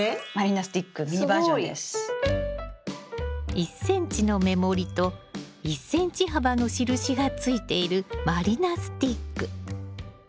１ｃｍの目盛りと１ｃｍ幅の印がついている満里奈スティック。